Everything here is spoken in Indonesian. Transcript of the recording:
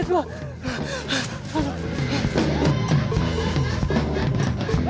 ketangkep bisa istri gue